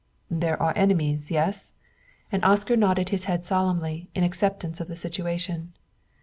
"There are enemies yes?" and Oscar nodded his head solemnly in acceptance of the situation.